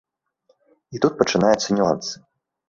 І тут пачынаюцца нюансы.